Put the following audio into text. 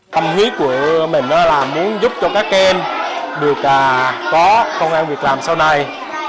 tâm huyết của mình là muốn giúp cho các em được có công an việc làm sau này